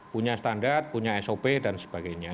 punya standar punya sop dan sebagainya